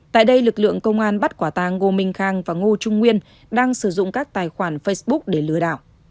tại đây lực lượng công an bắt quả tàng ngô minh khang và ngô trung nguyên đang sử dụng các tài khoản facebook để lừa đảo